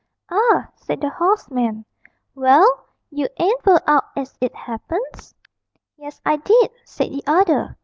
'Ah,' said the hoarse man; 'well, you ain't fur out as it happens.' 'Yes, I did,' said the other.